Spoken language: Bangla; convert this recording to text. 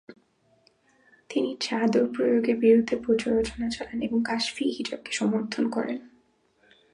তিনি চাদর প্রয়োগের বিরুদ্ধে প্রচারণা চালান এবং কাশফ-ই হিজাবকে সমর্থন করেন।